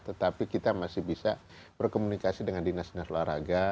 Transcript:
tetapi kita masih bisa berkomunikasi dengan dinas dinas olahraga